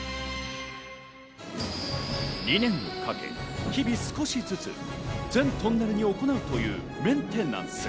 ２年をかけ、日々少しずつ全トンネルに行うというメンテナンス。